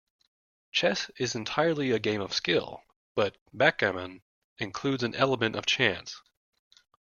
Chess is entirely a game of skill, but backgammon includes an element of chance